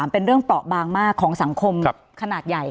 เป็นเรื่องเปราะบางมากของสังคมขนาดใหญ่